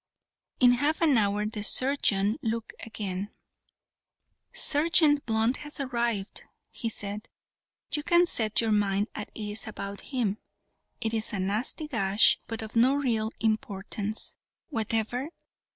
In half an hour the surgeon looked in again. "Sergeant Blunt has arrived," he said. "You can set your mind at ease about him; it is a nasty gash, but of no real importance whatever.